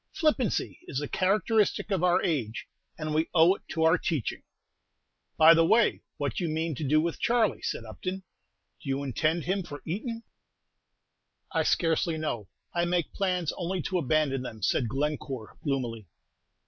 Flippancy is the characteristic of our age, and we owe it to our teaching." "By the way, what do you mean to do with Charley?" said Upton. "Do you intend him for Eton?" "I scarcely know, I make plans only to abandon them," said Glencore, gloomily.